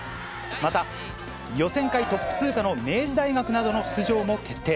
また、予選会トップ通過の明治大学などの出場も決定。